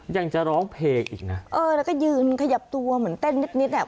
ยังจะร้องเพลงอีกนะเออแล้วก็ยืนขยับตัวเหมือนเต้นนิดนิดอ่ะ